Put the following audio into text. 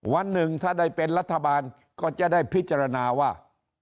วันหนึ่งถ้าได้เป็นรัฐบาลก็จะได้พิจารณาว่า